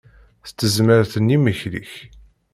S tezmert n yimekli-ik.